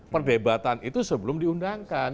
pendebatan itu sebelum diundangkan